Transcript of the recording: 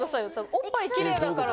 おっぱいキレイだから。